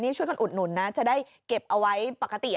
ช่วยกันอุดหนุนนะจะได้เก็บเอาไว้ปกติ